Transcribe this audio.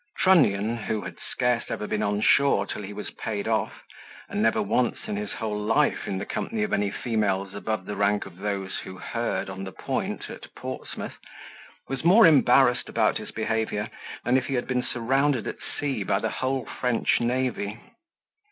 Trunnion, who had scarce ever been on shore till he was paid off, and never once in his whole life in the company of any females above the rank of those who herd on the Point at Portsmouth, was more embarrassed about his behaviour than if he had been surrounded at sea by the whole French navy.